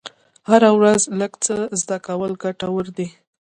هره ورځ لږ څه زده کول ګټور دي.